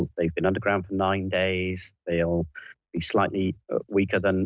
กว่าที่คุณคิดว่ามันก็คงเป็นการเติมขึ้น